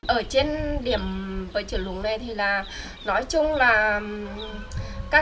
ở trên điểm trường lùng này thì là nói chung là